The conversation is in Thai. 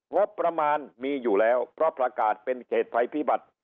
งบประมาณมีอยู่แล้วเพราะประกาศเป็นเขตภัยพิบัติ